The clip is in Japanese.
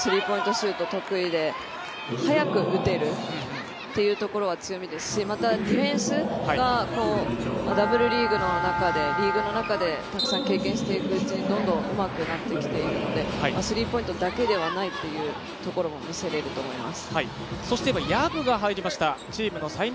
シュート得意で速く打てるというところが強みですし、また、ディフェンスがＷリーグのリーグの中でたくさん経験していくうちにどんどんうまくなってきているのでスリーポイントだけではないというところも見せれると思います。